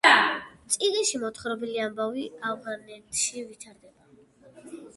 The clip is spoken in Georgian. წიგნში მოთხრობილი ამბავი ავღანეთში ვითარდება.